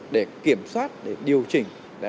để kiểm soát để điều chỉnh